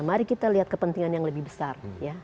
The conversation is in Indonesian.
mari kita lihat kepentingan yang lebih besar